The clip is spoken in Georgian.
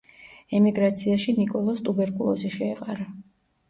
ემიგრაციაში, ნიკოლოზს ტუბერკულოზი შეეყარა.